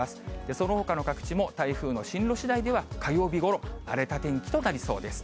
そのほかの各地も台風の進路しだいでは火曜日ごろ、荒れた天気となりそうです。